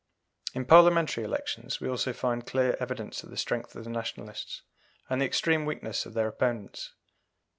In Parliamentary elections we also find clear evidence of the strength of the Nationalists, and the extreme weakness of their opponents.